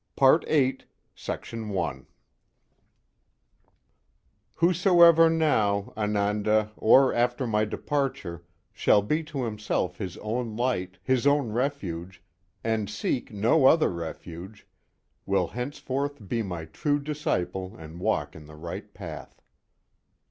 The Hunter is coming forward 8 Whosoever now, Ananda, or after my departure, shall be to himself his own light, his own refuge, and seek no other refuge, will henceforth be my true disciple and walk in the right path.